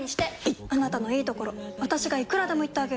いっあなたのいいところ私がいくらでも言ってあげる！